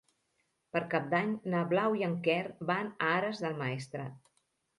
Per Cap d'Any na Blau i en Quer van a Ares del Maestrat.